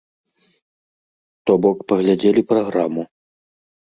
То бок, паглядзелі праграму.